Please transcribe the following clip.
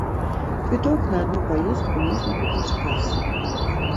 Квіток на адну паездку можна купіць у касе.